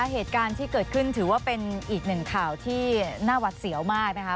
เหตุการณ์ที่เกิดขึ้นถือว่าเป็นอีกหนึ่งข่าวที่น่าหวัดเสียวมากนะคะ